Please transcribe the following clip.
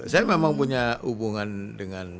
saya memang punya hubungan dengan